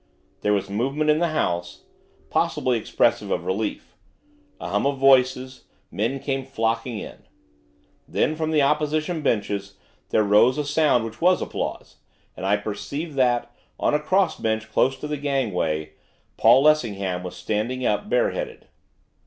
There was movement in the House, possibly expressive of relief; a hum of voices; men came flocking in. Then, from the Opposition benches, there rose a sound which was applause, and I perceived that, on a cross bench close to the gangway, Paul Lessingham was standing up bareheaded.